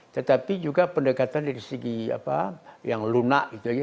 tetapi juga pendekatan dari segi apa yang lunak gitu ya